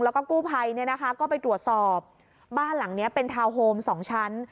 แล้วก็กู้ภัยเนี่ยนะคะก็ไปตรวจสอบบ้านหลังนี้เป็นทาวน์โฮมสองชั้น